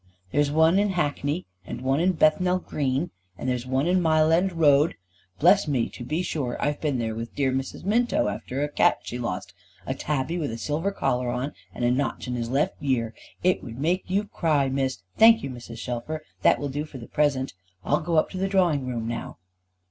"There's one in Hackney, and one in Bethnal Green, and there's one in Mile end Road. Bless me, to be sure! I've been there with dear Miss Minto after a cat she lost, a tabby with a silver collar on, and a notch in his left ear. It would make you cry, Miss " "Thank you, Mrs. Shelfer; that will do for the present. I'll go up to the 'drawing room' now."